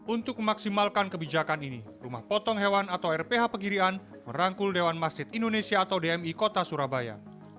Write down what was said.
untuk memaksimalkan kebijakan ini rumah potong hewan atau rph pegirian merangkul dewan masjid indonesia atau dmi kota surabaya